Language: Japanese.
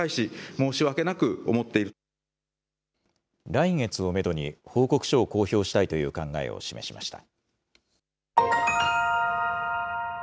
来月をメドに報告書を公表したいという考えを示しました。